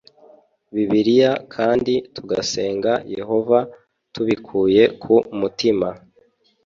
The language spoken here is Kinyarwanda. bibiliya kandi tugasenga yehova tubikuye ku mutima